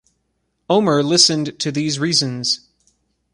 Omer listened to these reasons.